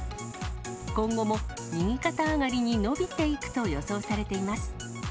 今後も右肩上がりに伸びていくと予想されています。